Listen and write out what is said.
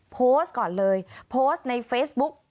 โพสต์ก่อนเลยโพสต์ในเฟซบุ๊ก